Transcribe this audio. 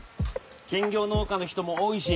兼業農家の人も多いし